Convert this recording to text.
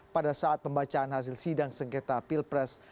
pada saat pembacaan hasil sidang sengketa pilpres